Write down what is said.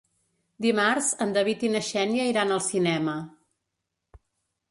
Dimarts en David i na Xènia iran al cinema.